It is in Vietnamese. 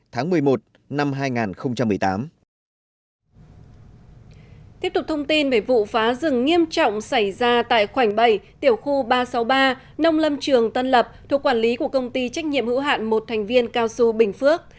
tiếp tục thông tin về vụ phá rừng nghiêm trọng xảy ra tại khoảnh bầy tiểu khu ba trăm sáu mươi ba nông lâm trường tân lập thuộc quản lý của công ty trách nhiệm hữu hạn một thành viên cao su bình phước